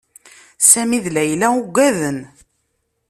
Sami d Layla uggaden.